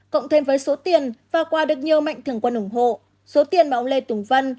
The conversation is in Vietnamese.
cộng thêm với số tiền và quà được nhiều mạnh thường quân ủng hộ số tiền mà ông lê tùng vân